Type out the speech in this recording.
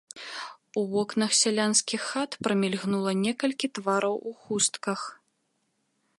У вокнах сялянскіх хат прамільгнула некалькі твараў у хустках.